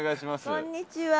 こんにちは。